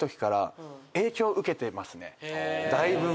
だいぶん。